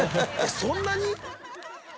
そんなに？